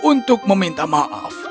aku ingin meminta maaf